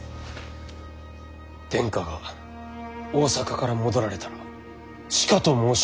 殿下が大坂から戻られたらしかと申し上げましょう。